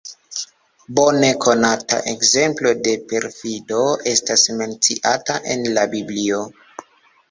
Bone konata ekzemplo de perfido estas menciata en la biblio.